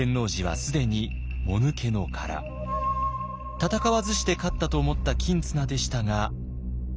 戦わずして勝ったと思った公綱でしたが。